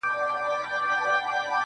o دلته خواران ټوله وي دلته ليوني ورانوي.